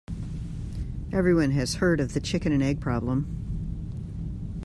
Everyone has heard of the chicken and egg problem.